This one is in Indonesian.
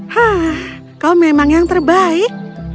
hah kau memang yang terbaik